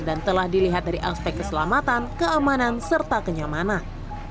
telah dilihat dari aspek keselamatan keamanan serta kenyamanan